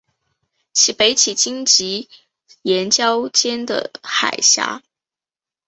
其北起荆棘岩礁间的海峡。